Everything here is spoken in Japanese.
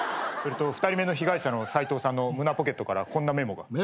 ２人目の被害者のサイトウさんの胸ポケットからこんなメモが。